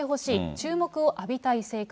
注目を浴びたい性格。